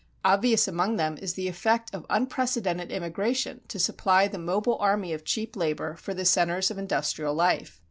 Obvious among them is the effect of unprecedented immigration to supply the mobile army of cheap labor for the centers of industrial life.